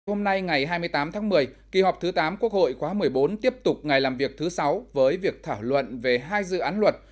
hôm nay ngày hai mươi tám tháng một mươi kỳ họp thứ tám quốc hội khóa một mươi bốn tiếp tục ngày làm việc thứ sáu với việc thảo luận về hai dự án luật